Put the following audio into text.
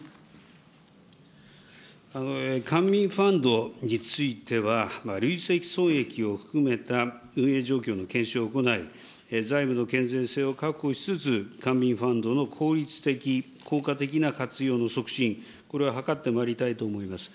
官民ファンドについては、累積損益を含めた運営状況の検証を行い、財務の健全性を確保しつつ、官民ファンドの効率的、効果的な活用の促進、これを図ってまいりたいと思います。